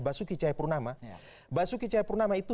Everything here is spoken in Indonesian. basuki cahayapurnama basuki cahayapurnama itu